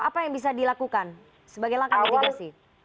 apa yang bisa dilakukan sebagai langkah netigasi